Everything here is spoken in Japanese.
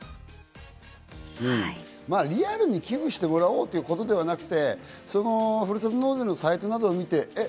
まぁリアルに寄付してもらおうという事ではなくて、ふるさと納税のサイトなどを見て、えっ？